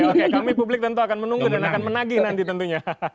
oke kami publik tentu akan menunggu dan akan menagih nanti tentunya